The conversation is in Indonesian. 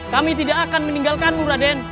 kami tidak akan meninggalkanmu raden